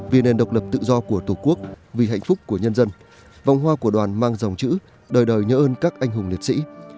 vì nền độc lập tự do của tổ quốc vì hạnh phúc của nhân dân vòng hoa của đoàn mang dòng chữ đời đời nhớ ơn các anh hùng liệt sĩ